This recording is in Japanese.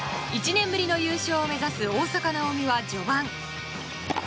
１年ぶりの優勝を目指す大坂なおみは序盤。